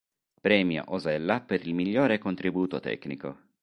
Premio Osella per il migliore contributo tecnico